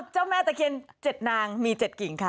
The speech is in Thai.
เจ้าแม่ตะเคียน๗นางมี๗กิ่งค่ะ